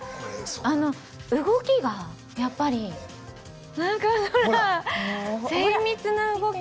あの動きがやっぱりなんかほら精密な動き！